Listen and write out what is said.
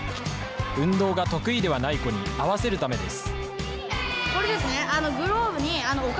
運動が得意ではない子に合わせるためです。